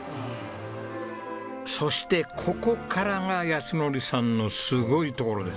そしてここからが靖典さんのすごいところです。